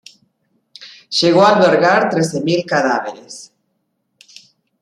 Llegó a albergar trece mil cadáveres.